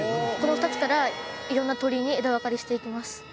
この２つからいろんな鳥居に枝分かれしていきます。